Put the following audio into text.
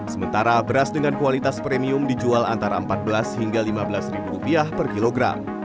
sementara beras dengan kualitas premium dijual antara empat belas hingga lima belas